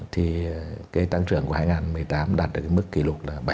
thì cái tăng trưởng của hai nghìn một mươi tám đạt được mức kỷ lục là bảy tám